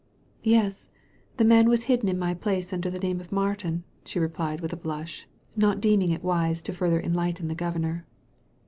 "Yes, The man was hidden in my place under the name of Martin," she replied with a blush, not deeming it wise to further enlighten the Governor.